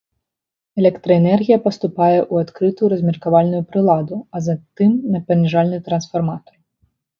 Электраэнергія паступае ў адкрытую размеркавальную прыладу, а затым на паніжальны трансфарматар.